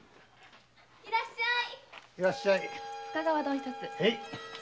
いらっしゃい。